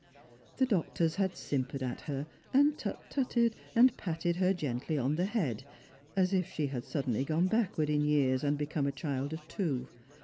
The doctors had simpered at her, and tut tuted and patted her gently on the head, as if she had suddenly gone backward in years and become a child of two.